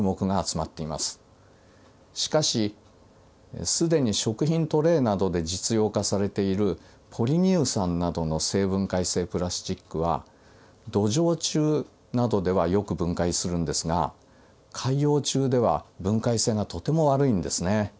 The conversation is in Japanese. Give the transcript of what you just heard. しかし既に食品トレーなどで実用化されているポリ乳酸などの生分解性プラスチックは土壌中などではよく分解するんですが海洋中では分解性がとても悪いんですね。